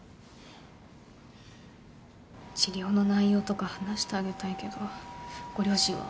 治療の内容とか話してあげたいけどご両親は？